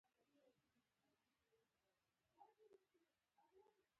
په ښه توګه مقاومت وکړای شي.